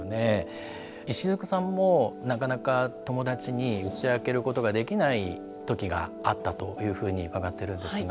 イシヅカさんもなかなか友だちに打ち明けることができない時があったというふうに伺ってるんですが。